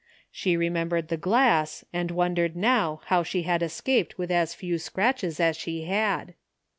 She remembered the glass and wondered now how she had escaped with as few scratches as she had.